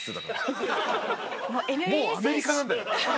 もうアメリカなんだよ。